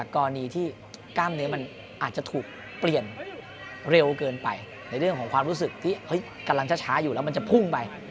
กรณีที่กล้ามเนื้อมันอาจจะถูกเปลี่ยนเร็วเกินไปในเรื่องของความรู้สึกที่กำลังช้าอยู่แล้วมันจะพุ่งไป